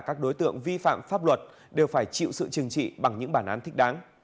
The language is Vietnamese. các đối tượng vi phạm pháp luật đều phải chịu sự trừng trị bằng những bản án thích đáng